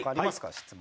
質問。